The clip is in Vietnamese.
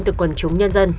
từ quần chúng nhân dân